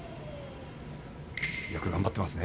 よく頑張っていますね。